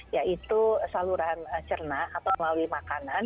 yaitu saluran cerna atau melalui makanan